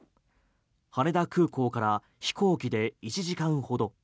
羽田空港から飛行機で１時間ほど。